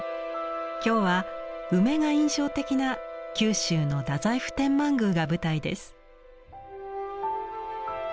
今日は梅が印象的な九州の太宰府天満宮が舞台です。